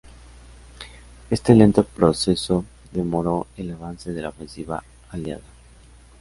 Este lento proceso demoró el avance de la ofensiva Aliada.